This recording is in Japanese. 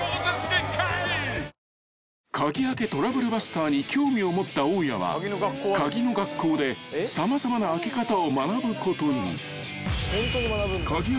［鍵開けトラブルバスターに興味を持った大家は鍵の学校で様々な開け方を学ぶことに］